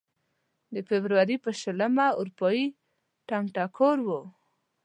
د فبروري په شلمه اروپايي ټنګ ټکور و.